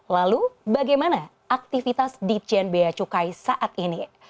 lalu bagaimana aktivitas dijen beadan cukai saat ini